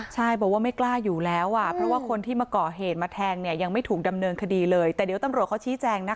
ใช่บอกว่าไม่กล้าอยู่แล้วอ่ะเพราะว่าคนที่มาก่อเหตุมาแทงเนี่ยยังไม่ถูกดำเนินคดีเลยแต่เดี๋ยวตำรวจเขาชี้แจงนะ